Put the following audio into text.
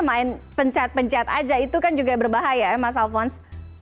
main pencet pencet aja itu kan juga berbahaya ya mas alfons